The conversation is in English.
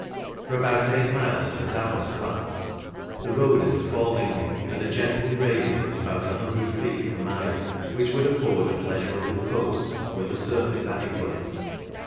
For about eight miles from Davos Platz the road is a falling one, with a gentle gradient of about 100 feet per mile, which would afford a pleasurable coast were the surface adequate.